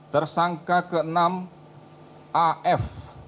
tersangka ke enam af